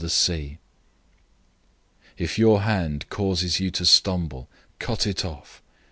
009:043 If your hand causes you to stumble, cut it off.